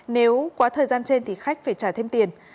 nếu quá thời gian trên thì khách phải trả thêm tiền